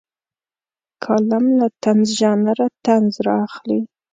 کالم له طنز ژانره طنز رااخلي.